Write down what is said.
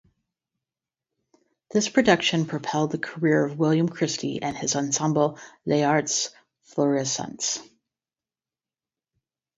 This production propelled the career of William Christie and his ensemble Les Arts Florissants.